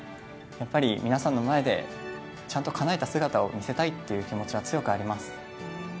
やっぱり、皆さんの前でちゃんとかなえた姿を見せたいって気持ちは強くあります。